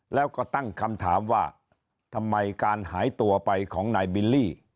แล้วก็ตั้งคำถามว่าทำไมการหายตัวไปของนายบิลลี่